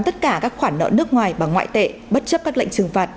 tất cả các khoản nợ nước ngoài bằng ngoại tệ bất chấp các lệnh trừng phạt